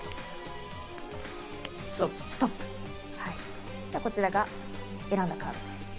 ストップ！ではこちらが選んだカードです。